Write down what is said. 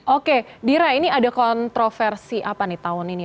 oke dira ini ada kontroversi apa nih tahun ini